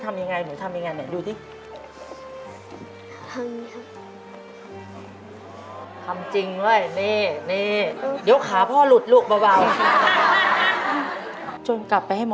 ทำจริงเว้ย